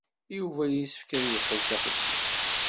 Yuba yessefk ad yeqqel s axeddim.